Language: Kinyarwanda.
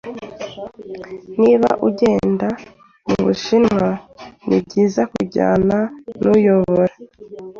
Niba ugenda mubushinwa, nibyiza kujyana nuyobora.